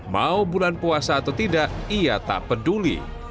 mau bulan puasa atau tidak ia tak peduli